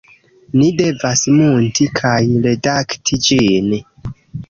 Ni devas munti kaj redakti ĝin